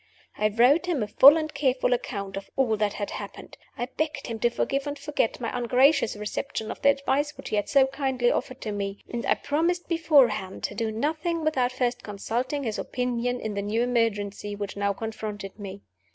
I wrote him a full and careful account of all that had happened; I begged him to forgive and forget my ungracious reception of the advice which he had so kindly offered to me; and I promised beforehand to do nothing without first consulting his opinion in the new emergency which now confronted me.